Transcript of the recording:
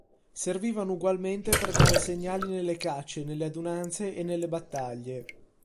Servivano ugualmente per dare segnali nelle cacce, nelle adunanze e nelle battaglie.